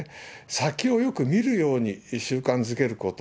先をよく見るように習慣づけること。